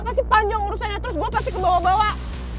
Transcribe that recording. pasti panjang urusannya terus gua pasti ke bawah bawah